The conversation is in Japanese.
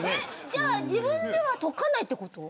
じゃあ自分では解かないってこと。